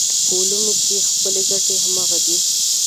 په علومو کې خپلې ګټې همغه دي.